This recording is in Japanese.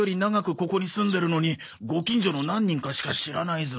ここに住んでるのにご近所の何人かしか知らないぞ。